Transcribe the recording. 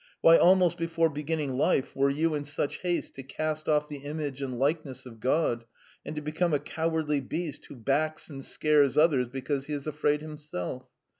Why, almost before beginning life, were you in such haste to cast off the image and likeness of God, and to become a cowardly beast who backs and scares others because he is afraid himself?